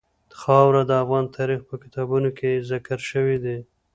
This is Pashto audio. خاوره د افغان تاریخ په کتابونو کې ذکر شوي دي.